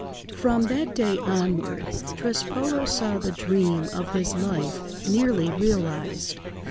From that day onward, Trespolo saw the dream of his life nearly realised.